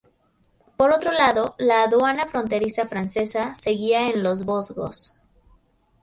Por otro lado, la aduana fronteriza francesa seguía en los Vosgos.